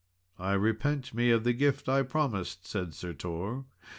"I repent me of the gift I promised," said Sir Tor.